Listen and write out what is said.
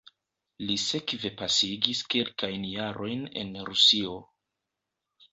Li sekve pasigis kelkajn jarojn en Rusio.